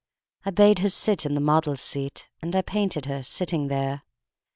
I bade her sit in the model's seat And I painted her sitting there.